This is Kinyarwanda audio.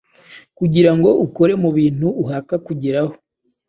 kugirango ukore mubintu uhaka kugeraho